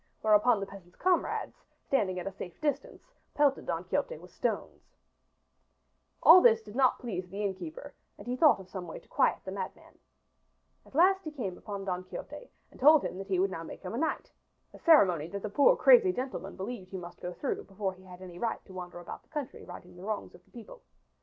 Whereupon the peasant's comrades, standing at a safe distance, pelted Don Quixote with stones. [Illustration: DON QUIXOTE SUFFERED NOBODY TO DRAW WATER FROM THE WELL] All this did not please the innkeeper, and he thought of some way to quiet the madman. At last he came up to Don Quixote and told him that he would now make him a knight a ceremony that the poor crazy gentleman believed he must go through before he had any right to wander about the country righting the wrongs of the people.